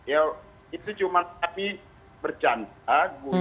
ya itu cuma tapi bercanda